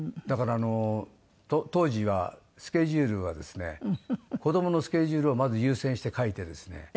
だから当時はスケジュールがですね子供のスケジュールをまず優先して書いてですね。